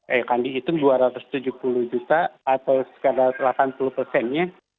akan dihitung dua ratus tujuh puluh juta atau sekitar delapan puluh persennya